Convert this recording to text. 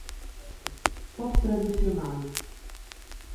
Pop Tradicional.